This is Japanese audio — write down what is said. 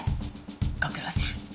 ご苦労さん。